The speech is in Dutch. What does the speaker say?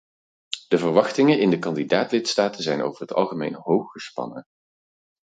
De verwachtingen in de kandidaat-lidstaten zijn over het algemeen hooggespannen.